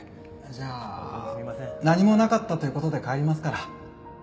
じゃあ何もなかったという事で帰りますから。